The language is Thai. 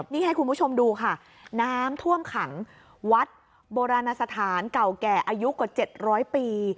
นี่ให้คุณผู้ชมดูค่ะน้ำท่วมขังวัดโบราณสถานเก่าแก่อายุกว่า๗๐๐ปี